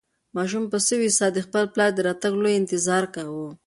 ماشوم په سوې ساه د خپل پلار د راتګ لوی انتظار کاوه.